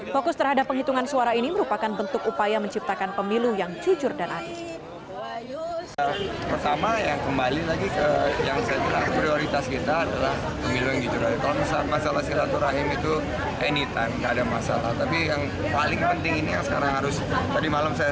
fokus terhadap penghitungan suara ini merupakan bentuk upaya menciptakan pemilu yang jujur dan adil